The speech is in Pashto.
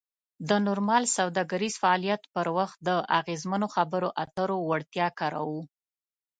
د نورمال سوداګریز فعالیت پر وخت د اغیزمنو خبرو اترو وړتیا کاروو.